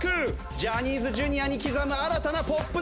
ジャニーズＪｒ．に刻む新たなポップの文化。